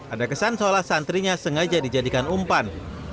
ada kesan seolah santrinya sengaja dijadikan umpan